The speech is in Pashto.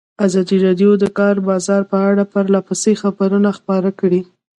ازادي راډیو د د کار بازار په اړه پرله پسې خبرونه خپاره کړي.